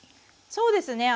そうですね。